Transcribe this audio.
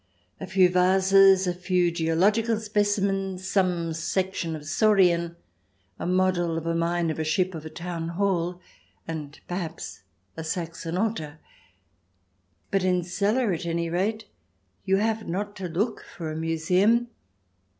A few vases, a few geological specimens, some section of Saurian, a model of a mine, of a ship, of a town hall, and perhaps a Saxon altar. But in Celle, at any rate, you have not to look for the museum.